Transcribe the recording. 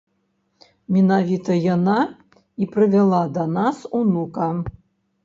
Менавіта яна і прывяла да нас унука.